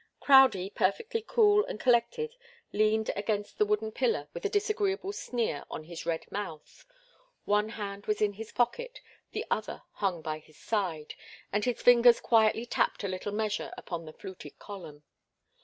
Crowdie, perfectly cool and collected, leaned against the wooden pillar with a disagreeable sneer on his red mouth. One hand was in his pocket; the other hung by his side, and his fingers quietly tapped a little measure upon the fluted column.